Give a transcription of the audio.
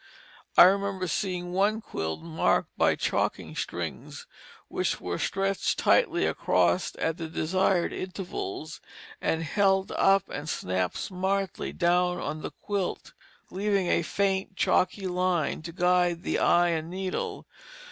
I remember seeing one quilt marked by chalking strings which were stretched tightly across at the desired intervals, and held up and snapped smartly down on the quilt, leaving a faint chalky line to guide the eye and needle.